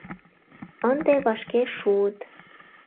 Ынде вашке шуыт.